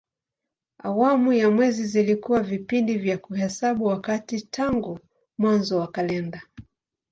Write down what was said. Awamu za mwezi zilikuwa vipindi vya kuhesabu wakati tangu mwanzo wa kalenda.